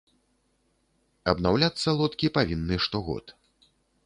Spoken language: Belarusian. Абнаўляцца лодкі павінны штогод.